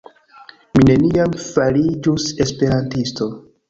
Mi neniam fariĝus Esperantisto